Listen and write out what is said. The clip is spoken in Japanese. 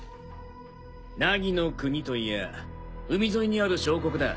凪の国と言や海沿いにある小国だ。